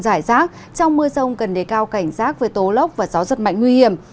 rải rác trong mưa rông cần đề cao cảnh giác về tố lốc và gió giật mạnh nguy hiểm